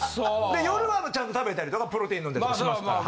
で夜はちゃんと食べたりとかプロテイン飲んだりしますから。